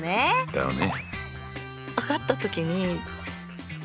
だよね。